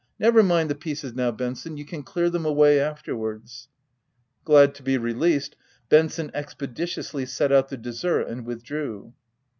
Never mind the pieces now, Ben son, you can clear them away afterwards." Glad to be released, Benson expeditiously set out the dessert and withdrew.